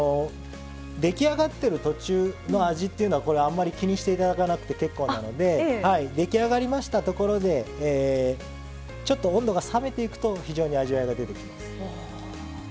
出来上がってる途中の味っていうのはあんまり気にして頂かなくて結構なので出来上がりましたところでちょっと温度が冷めていくと非常に味わいが出てきます。